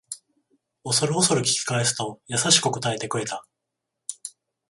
おそるおそる聞き返すと優しく答えてくれた